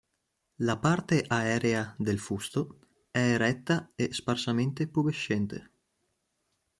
La parte aerea del fusto è eretta e sparsamente pubescente.